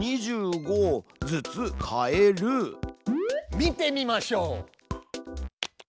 見てみましょう！